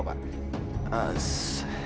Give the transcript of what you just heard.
tunggu ya resti